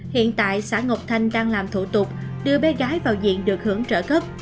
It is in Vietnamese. hiện tại xã ngọc thanh đang làm thủ tục đưa bé gái vào diện được hưởng trợ cấp